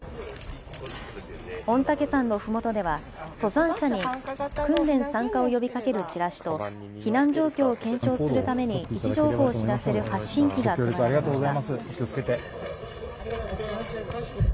御嶽山のふもとでは登山者に訓練参加を呼びかけるチラシと避難状況を検証するために位置情報を知らせる発信機が配られました。